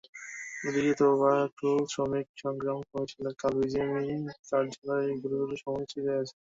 এদিকে তোবা গ্রুপ শ্রমিক সংগ্রাম কমিটি কাল বিজিএমইএ কার্যালয় ঘেরাওয়ের কর্মসূচি দিয়েছে।